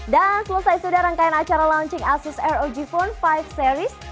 dan selesai sudah rangkaian acara launching asus rog phone lima series